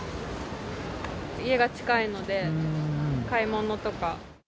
家が近いので、買い物とか。